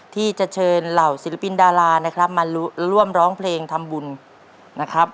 ที่จะเชิญเหล่าศิลปินดารานะครับมาร่วมร้องเพลงทำบุญนะครับ